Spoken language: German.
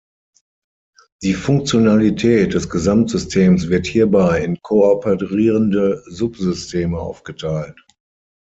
Die Funktionalität des Gesamtsystems wird hierbei in kooperierende Subsysteme aufgeteilt.